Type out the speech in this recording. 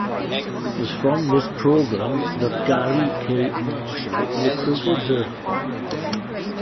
It was from this program that Garry K. Marshall recruited her.